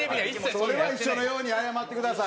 それは一緒のように謝ってください。